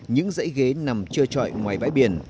những dãy ghế nằm trơ trọi ngoài bãi biển